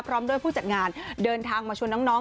พร้อมด้วยผู้จัดงานเดินทางมาชวนน้อง